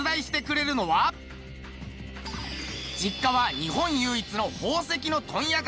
実家は日本唯一の宝石の問屋街